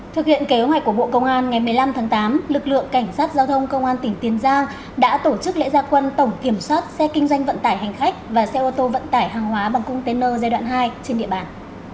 thực hiện kế hoạch của bộ công an ngày một mươi năm tháng tám lực lượng cảnh sát giao thông công an tỉnh tiền giang đã tổ chức lễ gia quân tổng kiểm soát xe kinh doanh vận tải hành khách và xe ô tô vận tải hàng hóa bằng container giai đoạn hai trên địa bàn